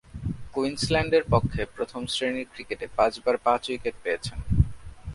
কুইন্সল্যান্ডের পক্ষে প্রথম-শ্রেণীর ক্রিকেটে পাঁচবার পাঁচ-উইকেট পেয়েছেন।